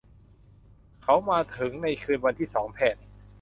เขามาถึงในคืนวันที่สองแทน